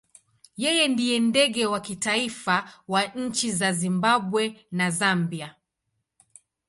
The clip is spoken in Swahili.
Yeye ndiye ndege wa kitaifa wa nchi za Zimbabwe na Zambia.